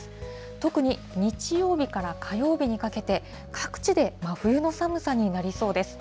特に日曜日から火曜日にかけて、各地で真冬の寒さになりそうです。